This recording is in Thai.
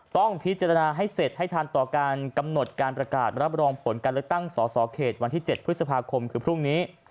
ต้องพิจารณาให้เสร็จให้ทันต่อการกำหนดการประกาศรับรองผลการเลือกตั้งสอสอเขตวันที่๗พฤษภาคมคือพรุ่งนี้